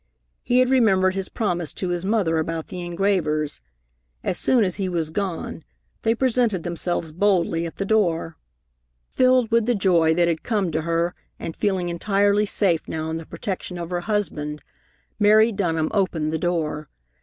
He had remembered his promise to his mother about the engravers. As soon as he was gone, they presented themselves boldly at the door. Filled with the joy that had come to her and feeling entirely safe now in the protection of her husband, Mary Dunham opened the door.